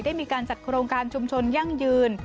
ได้มีการจัดโครงการชุมชนยั่งยืน